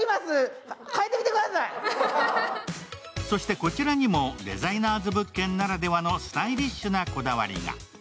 そしてこちらにもデザイナーズ物件ならではのスタイリッシュなこだわりが。